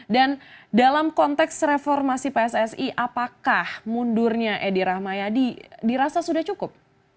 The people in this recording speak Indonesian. dan dalam konteks reformasi pssi apakah mundurnya edi rahmayadi dirasa sudah cukup